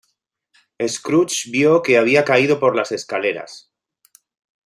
Scrooge vio que había caído por las escaleras.